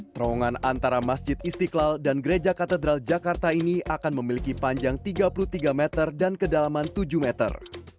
terowongan antara masjid istiqlal dan gereja katedral jakarta ini akan memiliki panjang tiga puluh tiga meter dan kedalaman tujuh meter